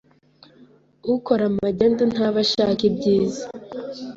Ukora magendu ntaba ashaka ibyiza